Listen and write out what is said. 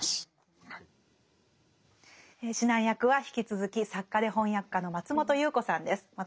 指南役は引き続き作家で翻訳家の松本侑子さんです。